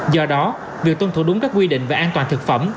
do đó việc tuân thủ đúng các quy định về an toàn thực phẩm